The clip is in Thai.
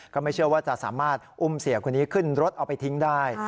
ก็ไม่เชื่อว่าจะสามารถอุ้มเสียคนนี้ขึ้นรถเอาไปทิ้งได้